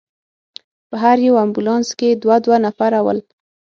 په هر یو امبولانس کې دوه دوه نفره ول.